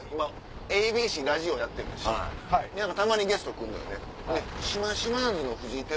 ＡＢＣでラジオやってて深夜たまにゲスト来るのよね。